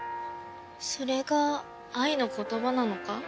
それが愛の言葉なのか？